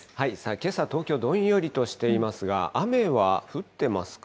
けさは東京、どんよりとしていますが、雨は降ってますか？